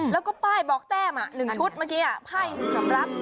แล้วก็ป้ายบอกแต้ม๑ชุดเมื่อกี้ไพ่๑สำรับ